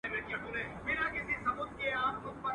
چي زه وگورمه مورته او دا ماته.